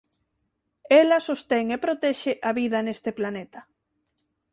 Ela sostén e protexe a vida neste planeta.